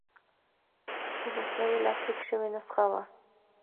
د مثنوي لاسلیک شوې نسخه وه.